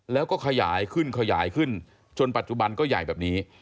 แล้วก็ขยายขึ้นขยายขึ้นจนปัจจุบันก็ใหญ่แบบนี้